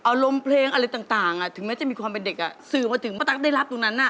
อารมณ์เพลงอะไรต่างถึงแม้จะมีความเป็นเด็กสื่อมาถึงป้าตั๊กได้รับตรงนั้น